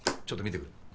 ちょっと見てくる。